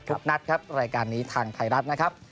นัดครับรายการนี้ทางไทยรัฐนะครับ